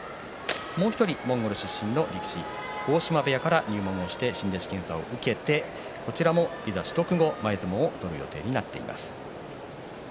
もう１人モンゴル出身の力士を大島部屋から入門して新弟子検査を受けてビザ取得後、こちらも前相撲を取ることになっています。